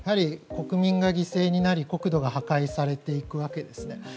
国民が犠牲になり国土が破壊されていくわけです。